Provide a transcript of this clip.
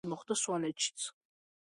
ასე მოხდა სვანეთშიც.